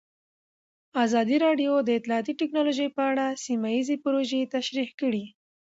ازادي راډیو د اطلاعاتی تکنالوژي په اړه سیمه ییزې پروژې تشریح کړې.